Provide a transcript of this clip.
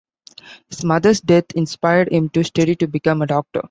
His mother's death inspired him to study to become a doctor.